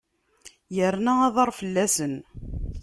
Irna aḍar fell-asen.